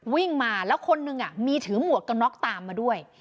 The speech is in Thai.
วิ่งมาแล้วคนนึงมีถือหมวกกันน็อกตามมาด้วย